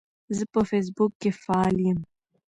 زه په فیسبوک کې فعال یم.